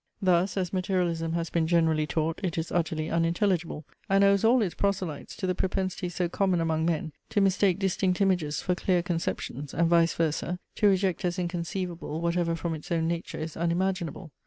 Thus, as materialism has been generally taught, it is utterly unintelligible, and owes all its proselytes to the propensity so common among men, to mistake distinct images for clear conceptions; and vice versa, to reject as inconceivable whatever from its own nature is unimaginable.